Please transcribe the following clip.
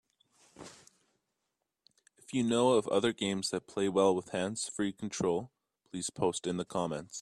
If you know of other games that play well with hands-free control, please post in the comments.